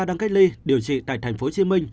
đang cách ly điều trị tại tp hcm